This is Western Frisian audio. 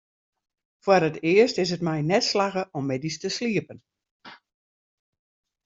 Foar it earst is it my net slagge om middeis te sliepen.